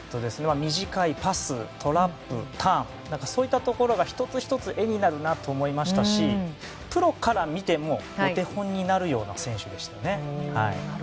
短いパストラップ、ターンそういったところが、１つ１つ画になるなと思いましたしプロから見てもお手本になるような選手でした。